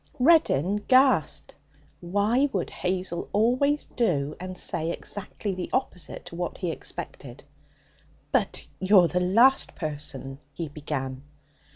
Reddin gasped. Why would Hazel always do and say exactly the opposite to what he expected? 'But you're the last person ' he began.